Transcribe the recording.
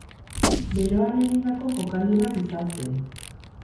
Beroan egindako jokaldi bat izan zen.